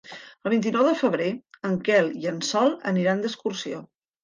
El vint-i-nou de febrer en Quel i en Sol aniran d'excursió.